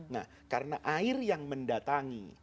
nah karena air yang mendatangi